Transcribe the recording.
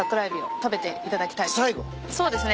そうですね。